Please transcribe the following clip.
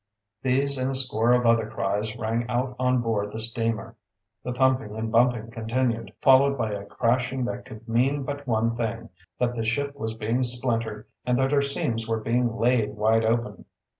These and a score of other cries rang out on board the steamer. The thumping and bumping continued, followed by a crashing that could mean but one thing that the ship was being splintered, and that her seams were being laid wide open.